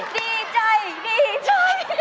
ดีใจดีใจ